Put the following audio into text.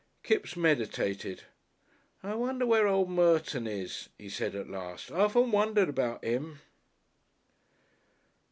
Kipps meditated. "I wonder where old Merton is," he said at last. "I often wondered about 'im."